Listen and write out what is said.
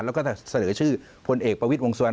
แล้วก็เสนอชื่อคนเอกประวิติวงส่วน